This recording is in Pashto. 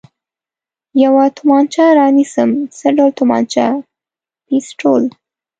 یوه تومانچه را نیسم، څه ډول تومانچه؟ پېسټول.